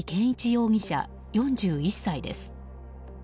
容疑者、４１歳です。